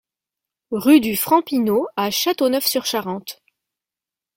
Rue du Franc Pineau à Châteauneuf-sur-Charente